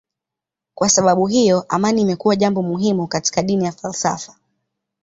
Kwa sababu hiyo amani imekuwa jambo muhimu katika dini na falsafa.